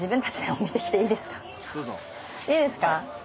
いいですか？